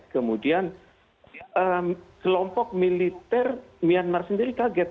kemudian kelompok militer myanmar sendiri kaget